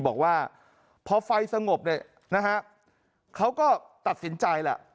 บอกว่าพอไฟสงบเขาก็ตัดสินใจแล้ว